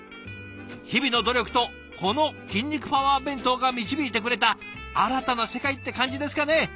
日々の努力とこの「筋肉パワー弁当」が導いてくれた新たな世界って感じですかね。